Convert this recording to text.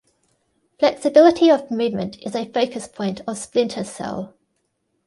Flexibility of movement is a focuspoint of "Splinter Cell".